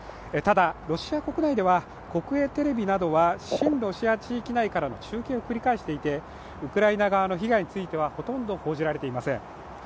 ただ、ロシア国内では国営テレビなどは親ロシア地域内からの中継を繰り返していて、ウクライナ側の被害についてはほとんど報じられていません。